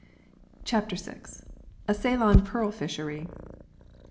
CHAPTER VI A CEYLON PEARL FISHERY.